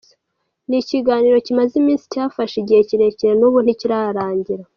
Ni ikiganiro kimaze iminsi, cyafashe igihe kirekire n’ubu ntikirarangira.